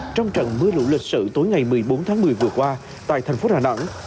trong trận mưa lũ lịch sử tối ngày một mươi bốn tháng một mươi vừa qua tại thành phố đà nẵng